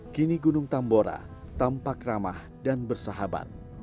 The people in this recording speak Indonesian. kini gunung tambora tampak ramah dan bersahabat